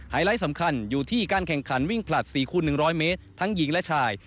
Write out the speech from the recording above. ไลท์สำคัญอยู่ที่การแข่งขันวิ่งผลัด๔คูณ๑๐๐เมตรทั้งหญิงและชาย